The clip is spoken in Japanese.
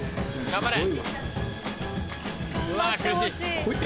頑張れ！